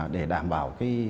để đảm bảo